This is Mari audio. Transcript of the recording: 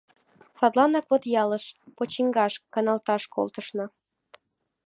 Садланак вот ялыш, почиҥгаш, каналташ колтышна.